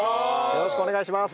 よろしくお願いします。